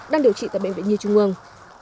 đang điều trị tại bệnh viện nhi trung ương